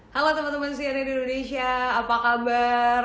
halo teman teman siania di indonesia apa kabar